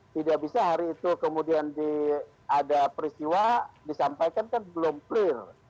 tidak bisa hari itu kemudian ada peristiwa disampaikan kan belum clear